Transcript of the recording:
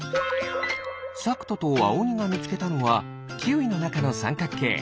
さくととあおにがみつけたのはキウイのなかのさんかくけい。